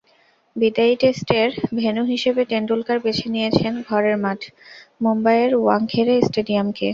বিদায়ী টেস্টের ভেন্যু হিসেবে টেন্ডুলকার বেছে নিয়েছেন ঘরের মাঠ মুম্বাইয়ের ওয়াংখেড়ে স্টেডিয়ামকে।